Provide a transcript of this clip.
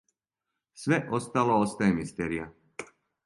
Све остало остаје мистерија.